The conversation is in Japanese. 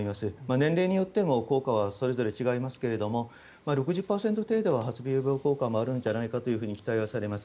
年齢によっても効果は違いますが６０％程度は発病予防効果もあるんじゃないかと期待はされます。